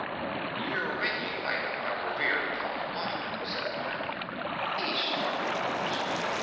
"You're making light of my revered alma mater," said Orne. He struck a pose.